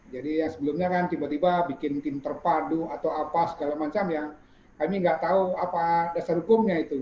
jadi yang sebelumnya kan tiba tiba bikin tim terpadu atau apa segala macam yang kami nggak tahu apa dasar hukumnya itu